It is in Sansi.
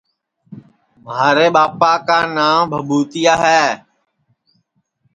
مھارے ٻاپا کا نانٚو بھٻُوتِیا ہے